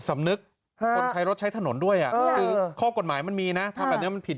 สำนึกคนใช้รถใช้ถนนด้วยคือข้อกฎหมายมันมีนะทำแบบนี้มันผิด